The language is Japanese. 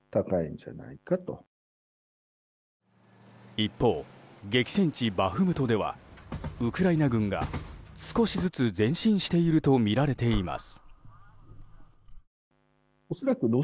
一方、激戦地バフムトではウクライナ軍が少しずつ前進しているとみられています。